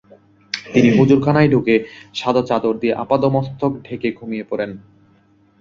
তিনি হুজরাখানায় ঢুকে সাদা চাদর দিয়ে আপাদমস্তক ঢেকে ঘুমিয়ে পড়েন।